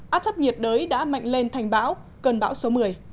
áp thấp nhiệt đới đã mạnh lên thành bão cơn bão số một mươi